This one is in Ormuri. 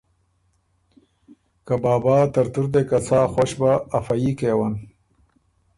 که ”بابا ترتُور دې که څا خؤش بۀ افه يي کېون“